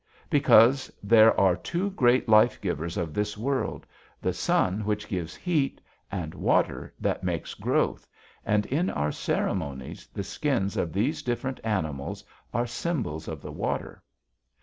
Because there are two great life givers of this world: the sun, which gives heat, and water, that makes growth, and in our ceremonies the skins of these different animals are symbols of the water.'